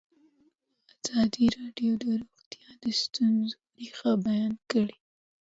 ازادي راډیو د روغتیا د ستونزو رېښه بیان کړې.